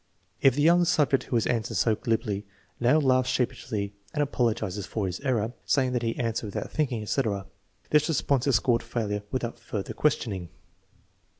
" The young subject who has answered so glibly now laughs sheepishly and apologizes for his error, saying that he answered without thinking, etc. This response is scored failure without further questioning.